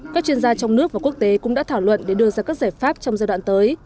các chuyên gia trong nước và quốc tế cũng đã thảo luận để đưa ra các giải pháp trong giai đoạn tới